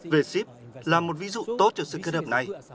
v ship là một ví dụ tốt cho sự kết hợp này